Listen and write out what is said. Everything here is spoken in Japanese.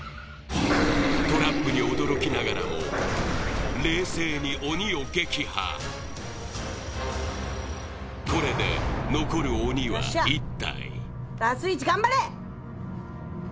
トラップに驚きながらも冷静に鬼を撃破これでラス１頑張れ！